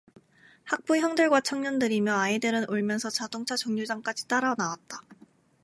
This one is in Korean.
학부형들과 청년들이며 아이들은 울면서 자동차 정류장까지 따라 나왔다.